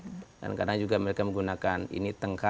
dan kadang kadang juga mereka menggunakan ini tengka